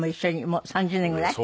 もう３０年ぐらい？